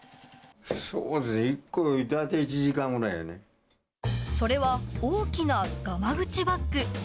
そうですね、１個、それは、大きながまぐちバッグ。